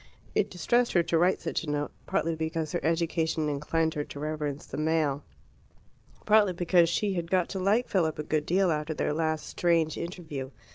It distressed her to write such a note, partly because her education inclined her to reverence the male, partly because she had got to like Philip a good deal after their last strange interview.